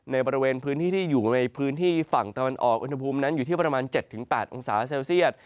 ในบริเวณพื้นที่ที่อยู่ในพื้นที่ฝั่งตะวันออกอุณหภูมินั้นอยู่ที่ประมาณ๗๘องศาเซลเซียต